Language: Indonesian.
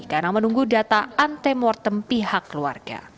karena menunggu data antemortem pihak keluarga